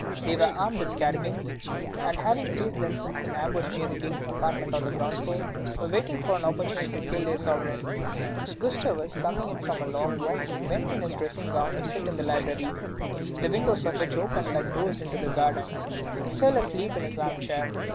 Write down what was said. They were armed with carbines, and, having placed themselves in ambush near the King's apartment on the ground floor, were awaiting an opportunity to kill their sovereign. Gustavus coming in from a long walk, went in his dressing gown to sit in the library, the windows of which opened like doors into the garden. He fell asleep in his armchair.